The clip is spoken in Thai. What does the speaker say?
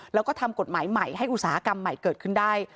แล้วก็ทำกฎหมายใหม่ให้อุตสาหกรรมใหม่เกิดขึ้นได้